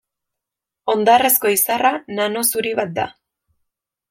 Hondarrezko izarra nano zuri bat da.